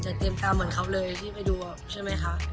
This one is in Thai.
จัดเต็มตามเหมือนเขาเลยที่ไปดูใช่มั้ยคะ